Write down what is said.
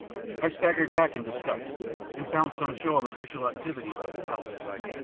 I staggered back in disgust, and found some show of official activity about the palace.